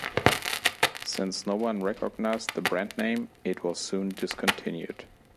Since no one recognised the brand name, it was soon discontinued.